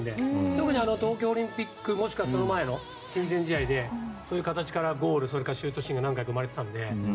特に東京オリンピックもしくは、その前の親善試合でそういう形からのゴール、シュートシーンが何回も生まれていたので。